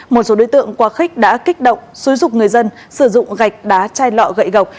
một số đối tượng quá khích đã kích động xúi dục người dân sử dụng gạch đá chai lọ gậy gọc